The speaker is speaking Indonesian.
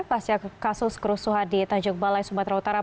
pasca kasus kerusuhan di tanjung balai sumatera utara